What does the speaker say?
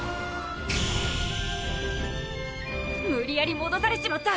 無理矢理戻されちまった！